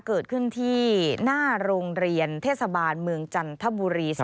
เกิดขึ้นที่หน้าโรงเรียนเทศบาลเมืองจันทบุรี